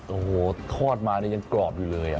โอ้โหทอดมายังกรอบอยู่เลย